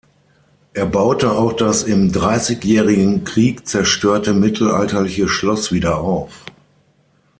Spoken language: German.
Er baute auch das im Dreißigjährigen Krieg zerstörte mittelalterliche Schloss wieder auf.